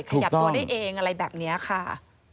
ขยับตัวได้เองอะไรแบบนี้ค่ะ